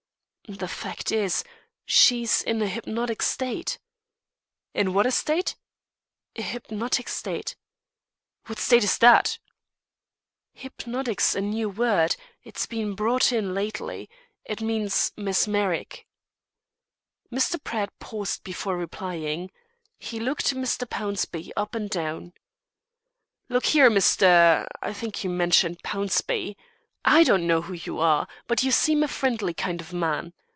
"The fact is, she's in a hypnotic state." "In a what state?" "A hypnotic state." "What state's that?" "'Hypnotic' 's a new word it's been brought in lately it means 'mesmeric.'" Mr. Pratt paused before replying. He looked Mr. Pownceby up and down. "Look here, Mr. I think you mentioned Pownceby; I don't know who you are, but you seem a friendly kind of man.